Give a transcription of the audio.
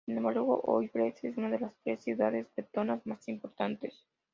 Sin embargo, hoy Brest es una de las tres ciudades bretonas más importantes.